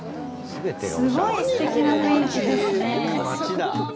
すごいすてきな雰囲気ですね。